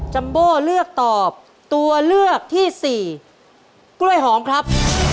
ัมโบเลือกตอบตัวเลือกที่สี่กล้วยหอมครับ